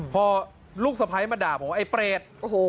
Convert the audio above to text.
พอลูกสะพ้ายมาด่าผมว่าไอ้เปรต